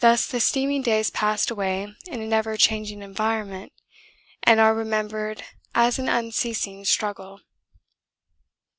'Thus the steaming days passed away in an ever changing environment and are remembered as an unceasing struggle.